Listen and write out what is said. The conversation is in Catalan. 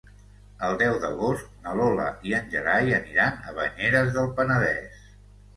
El deu d'agost na Lola i en Gerai aniran a Banyeres del Penedès.